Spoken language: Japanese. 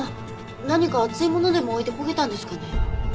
何か熱いものでも置いて焦げたんですかね？